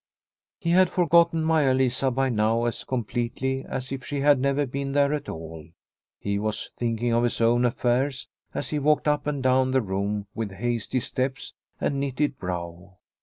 He had forgotten Maia Lisa by now as com pletely as if she had never been there at all. He was thinking of his own affairs as he walked up and down the room with hasty steps and knitted brow.